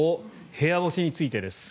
部屋干しについてです。